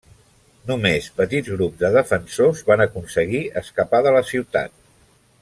Només petits grups de defensors van aconseguir escapar de la ciutat.